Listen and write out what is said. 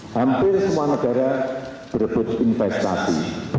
hampir semua negara berebut investasi